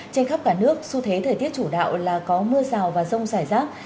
trên khắp cả nước xu thế thời tiết chủ đạo là có mưa rào và rông rải rác